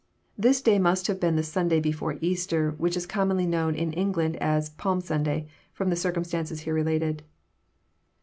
"] This day must have been the Sanday before Easter, which is commoDly known in England as Palm Sanday," from the circumstance here related.